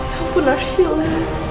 ya ampun arshila